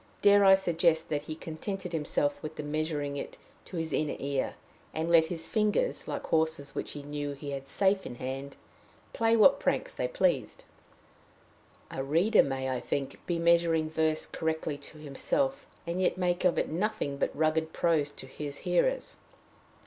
Dare I suggest that he contented himself with measuring it to his inner ear, and let his fingers, like horses which he knew he had safe in hand, play what pranks they pleased? A reader may, I think, be measuring verse correctly to himself, and yet make of it nothing but rugged prose to his hearers.